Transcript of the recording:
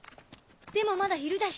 でもまだ昼だし。